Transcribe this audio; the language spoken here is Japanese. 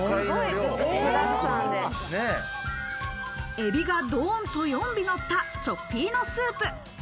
エビがドンと４尾のった、チョッピーノスープ。